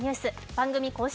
番組公式